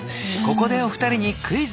ここでお二人にクイズ！